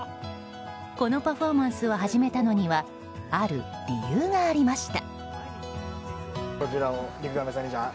このパフォーマンスを始めたのにはある理由がありました。